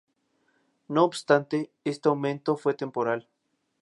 No obstante, este aumento fue temporal.